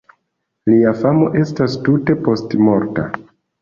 Lia famo estas tute postmorta.